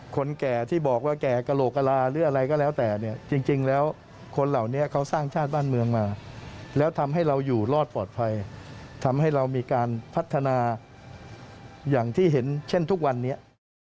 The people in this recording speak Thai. แก่ที่บอกว่าแก่กระโหลกกระลาหรืออะไรก็แล้วแต่เนี่ยจริงแล้วคนเหล่านี้เขาสร้างชาติบ้านเมืองมาแล้วทำให้เราอยู่รอดปลอดภัยทำให้เรามีการพัฒนาอย่างที่เห็นเช่นทุกวันนี้